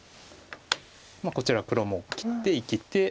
こちら黒も切って生きて。